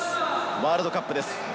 ワールドカップです。